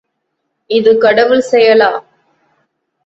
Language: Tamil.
இது கடவுள் செயலா?